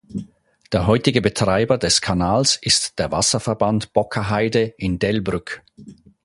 Der heutige Betreiber des Kanals ist der "Wasserverband Boker-Heide" in Delbrück.